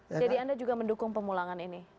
jadi anda juga mendukung pemulangan ini